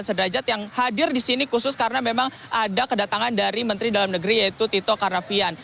sudrajat yang hadir di sini khusus karena memang ada kedatangan dari menteri dalam negeri yaitu tito karnavian